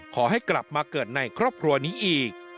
ขอให้กลับมาเกิดในครอบครัวนี้อีก